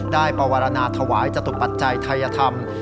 ได้ประวัตินาทวายจตุปัจจัยไทยธรรม